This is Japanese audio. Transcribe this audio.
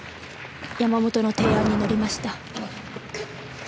山本の提案に乗りました。